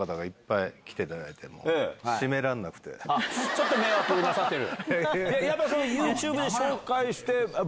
ちょっと迷惑なさってる？